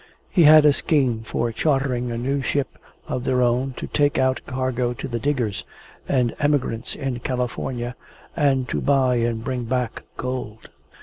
He had a scheme for chartering a new ship of their own to take out cargo to the diggers and emigrants in California, and to buy and bring back gold.